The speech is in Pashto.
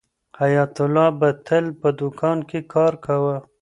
حیات الله به تل په دوکان کې کار کاوه.